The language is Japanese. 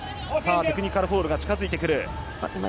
テクニカルフォールが近付いてくる。